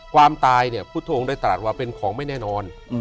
ความตายเนี่ยพุทธองค์ได้ตรัสว่าเป็นของไม่แน่นอน